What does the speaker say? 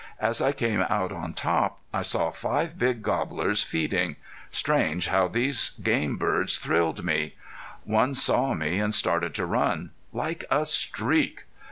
As I came out on top, I saw five big gobblers feeding. Strange how these game birds thrilled me! One saw me and started to run. Like a streak!